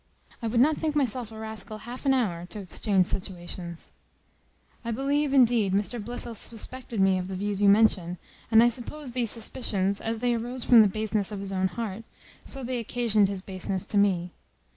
I would not think myself a rascal half an hour, to exchange situations. I believe, indeed, Mr Blifil suspected me of the views you mention; and I suppose these suspicions, as they arose from the baseness of his own heart, so they occasioned his baseness to me.